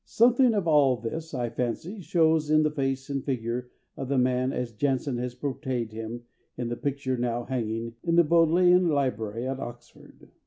Something of all this, I fancy, shows in the face and figure of the man as Jansen has portrayed him in the picture now hanging in the Bodleian Library at Oxford.